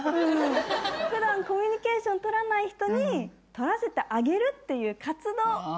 普段コミュニケーション取らない人に取らせてあげるっていう活動！